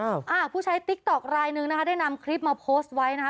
อ่าผู้ใช้ติ๊กต๊อกรายหนึ่งนะคะได้นำคลิปมาโพสต์ไว้นะคะ